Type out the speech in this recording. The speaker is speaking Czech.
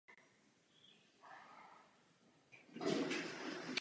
Dnes škola disponuje jídelnou a tělocvičnou.